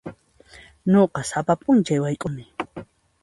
Nuqa sapa p'unchay wayk'uni.